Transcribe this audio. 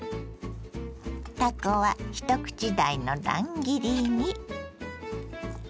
たこは一口大の乱切りに。